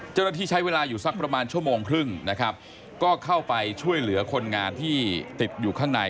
เจ้าหน้าที่ใช้เวลาอยู่สักประมาณชั่วโมงครึ่งนะครับก็เข้าไปช่วยเหลือคนงานที่ติดอยู่ข้างใน